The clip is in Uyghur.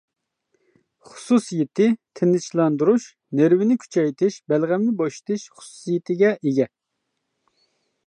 خۇسۇسىيىتى تىنچلاندۇرۇش، نېرۋىنى كۈچەيتىش، بەلغەمنى بوشىتىش خۇسۇسىيىتىگە ئىگە.